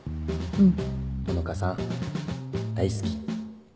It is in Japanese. うん